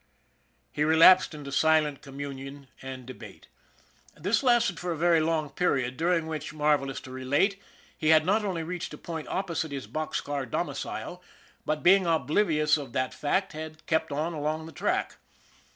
He relapsed into silent communion and debate. This lasted for a very long period, during which, mar velous to relate, he had not only reached a point oppo site his box car domicile, but, being oblivious of that fact, had kept on along the track.